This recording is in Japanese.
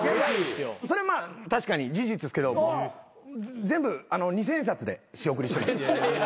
それまあ確かに事実っすけど全部二千円札で仕送りしてます。